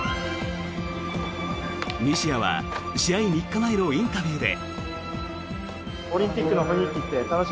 西矢は試合３日前のインタビューで。